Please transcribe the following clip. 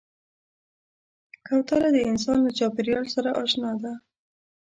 کوتره د انسان له چاپېریال سره اشنا ده.